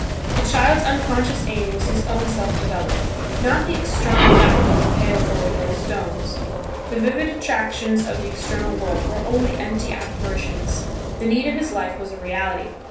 The child's unconscious aim was his own self development; not the external fact of a pail full of little stones. The vivid attractions of the external world were only empty apparitions; the need of his life was a reality.